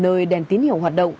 nơi đèn tín hiệu hoạt động